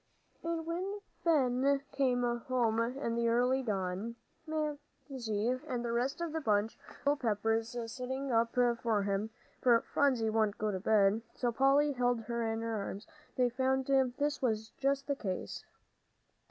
And when Ben came home in the early dawn Mamsie and the rest of the bunch of the little Peppers sitting up for him, for Phronsie wouldn't go to bed, so Polly held her in her arms they found this was just the case.